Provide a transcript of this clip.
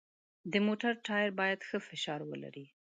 د موټر ټایر باید ښه فشار ولري.